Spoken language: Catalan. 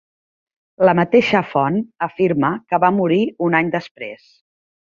La mateixa font afirma que va morir un any després.